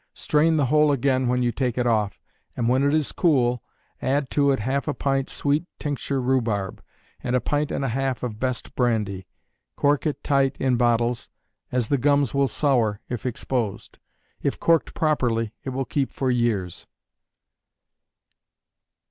Strain the whole again when you take it off, and when it is cool, add to it half a pint sweet tincture rhubarb, and a pint and a half of best brandy. Cork it tight in bottles, as the gums will sour, if exposed. If corked properly it will keep for years.